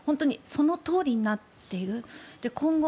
そのとおりになっている。